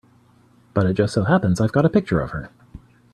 But it just so happens I've got a picture of her.